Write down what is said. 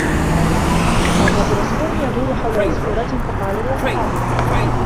مَرَّ بِعُصْفُورٍ يَدُورُ حَوْلَ عُصْفُورَةٍ فَقَالَ لِأَصْحَابِهِ